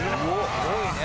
すごいね。